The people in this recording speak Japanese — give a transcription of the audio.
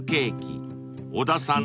［小田さん